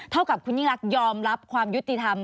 เท่ากับคุณยิ่งรักยอมรับความยุติธรรม